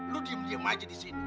lu diam diam aja di sini